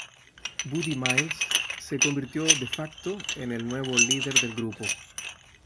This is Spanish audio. Buddy Miles, se convirtió "de facto" en el nuevo líder del grupo.